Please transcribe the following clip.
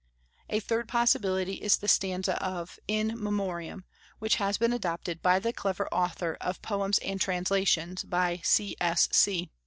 A third possibility is the stanza of "In Memoriam," which has been adopted by the clever author of "Poems and Translations, by C. S. C.